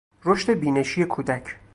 رشد بینشی کودک